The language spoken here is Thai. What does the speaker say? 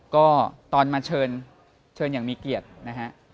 ก็ตอนมาเชิญยังมีเกียจนะฮะ